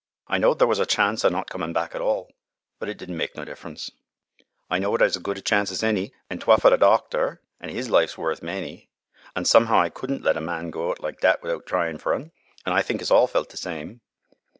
I knowed thar was a chance o' not comin' back at all, but it didn' make no difference. I knowed I'd as good a chance as any, an' 'twa' for th' doctor, an' 'is life's worth many, an' somehow I couldn' let a man go out like dat wi'out tryin' fur un, an' I think us all felt th' same.